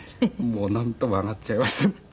もうなんとも上がっちゃいます。